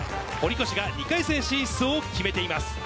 堀越が２回戦進出を決めています。